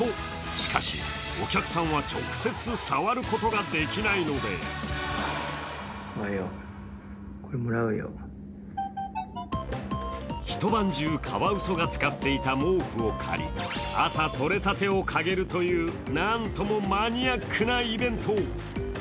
しかし、お客さんは直接触ることができないので一晩中、カワウソが使っていた毛布を借り、朝、とれたてをかげるという、何ともマニアックなイベント。